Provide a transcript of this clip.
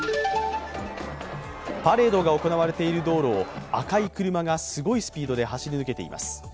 パレードが行われている道路を赤い車がすごいスピードで走り抜けています。